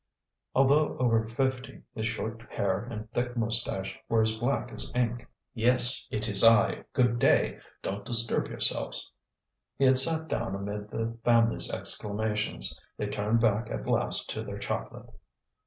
Although over fifty, his short hair and thick moustache were as black as ink. "Yes! It is I. Good day! Don't disturb yourselves." He had sat down amid the family's exclamations. They turned back at last to their chocolate.